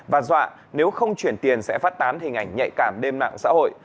và dọa nếu không chuyển tiền sẽ phát tán hình ảnh nhạy cảm đêm nặng xã hội